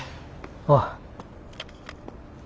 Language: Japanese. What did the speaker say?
ああ。